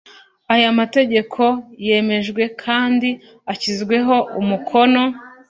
aya mategeko yemejwe kandi ashyizweho umukono